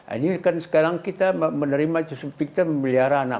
ini kan sekarang kita menerima cusup piktir memelihara anak